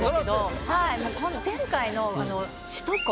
前回の首都高。